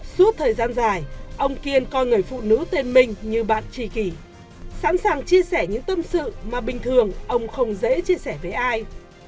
suốt thời gian dài ông kiên coi người phụ nữ tên mình như bạn trì kỳ sẵn sàng chia sẻ những tâm sự mà bình thường ông không dễ chia sẻ với ai